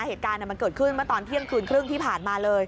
เหตุการณ์มันเกิดขึ้นเมื่อตอนเที่ยงคืนครึ่งที่ผ่านมาเลย